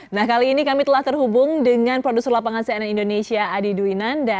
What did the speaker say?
nah kali ini kami telah terhubung dengan produser lapangan cnn indonesia adi dwinanda